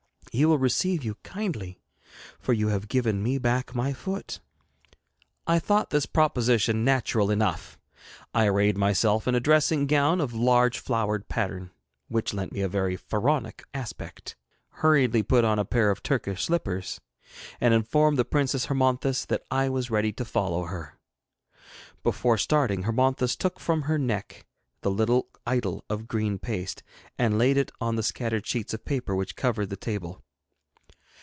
He will receive you kindly, for you have given me back my foot.' I thought this proposition natural enough. I arrayed myself in a dressing gown of large flowered pattern, which lent me a very Pharaonic aspect, hurriedly put on a pair of Turkish slippers, and informed the Princess Hermonthis that I was ready to follow her. Before starting, Hermonthis took from her neck the little idol of green paste, and laid it on the scattered sheets of paper which covered the table.